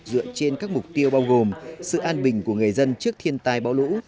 dựa trên các mục tiêu bao gồm sự an bình của người dân trước thiên tai bão lũ